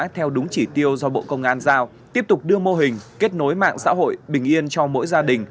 theo đúng chỉ tiêu do bộ công an giao tiếp tục đưa mô hình kết nối mạng xã hội bình yên cho mỗi gia đình